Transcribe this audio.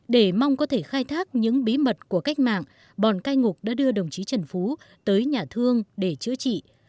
để mong có thể khai thác những bí mật của cách mạng bọn cai ngục đã đưa đồng chí trần phú tới nhà thương để chữa trị